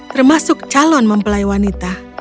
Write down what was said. termasuk calon mempelai wanita